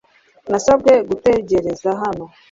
Nasabwe gutegereza hano